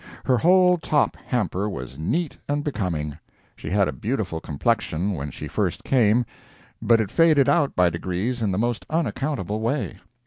Her whole top hamper was neat and becoming. She had a beautiful complexion when she first came, but it faded out by degrees in the most unaccountable way.